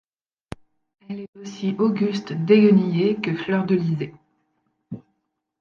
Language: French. Elle est aussi auguste déguenillée que fleurdelysée.